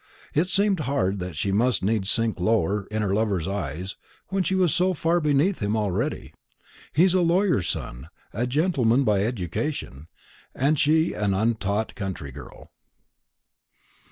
It seemed hard that she must needs sink lower in her lover's eyes, when she was so far beneath him already; he a lawyer's son, a gentleman by education, and she an untaught country girl.